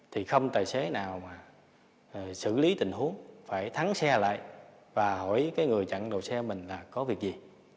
thì không tài xế nào mà xử lý tình huống phải thắng xe lại và hỏi cái người chặn đầu xe mình là có việc gì